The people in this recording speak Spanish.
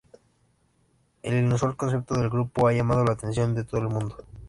El inusual concepto del grupo ha llamado la atención de todo el mundo.